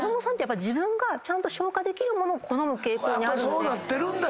やっぱそうなってるんだ！